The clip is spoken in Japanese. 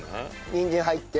にんじん入って？